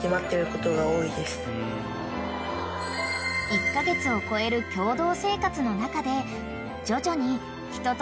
［１カ月を超える共同生活の中で徐々に］